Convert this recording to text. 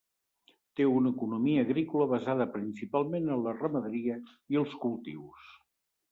Té una economia agrícola basada principalment en la ramaderia i els cultius.